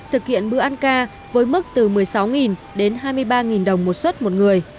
thực hiện bữa ăn ca với mức từ một mươi sáu đến hai mươi ba đồng một suất một người